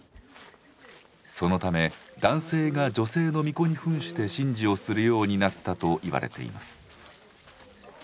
そのため男性が女性の巫女にふんして神事をするようになったといわれています。